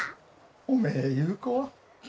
おめえいう子は。